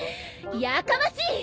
やかましい！